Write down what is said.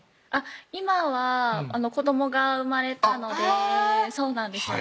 今は子どもが生まれたのであぁそうなんですよ